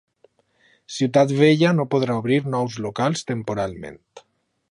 Ciutat Vella no podrà obrir nous locals temporalment